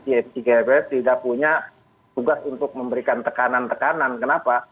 gfs tidak punya tugas untuk memberikan tekanan tekanan kenapa